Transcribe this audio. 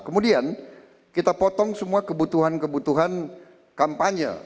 kemudian kita potong semua kebutuhan kebutuhan kampanye